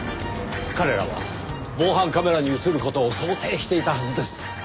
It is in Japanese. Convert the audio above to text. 彼らは防犯カメラに映る事を想定していたはずです。